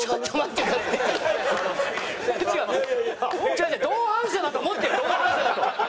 違う違う同伴者だと思って同伴者だと。